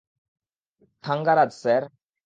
Thangaraj, sir.